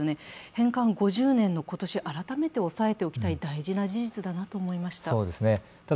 返還５０年の今年、改めて押さえておきたい大事な事実だなと思いました。